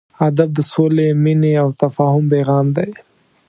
ادب د سولې، مینې او تفاهم پیغام دی.